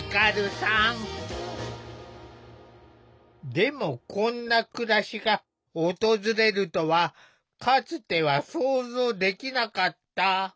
でもこんな暮らしが訪れるとはかつては想像できなかった。